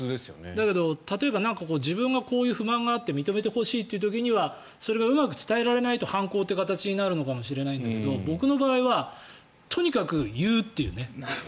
だけど例えばこういう不満があって認めてほしい時にはそれがうまく伝えられないと反抗という形になるのかもしれないんだけど僕の場合はとにかく言うっていう。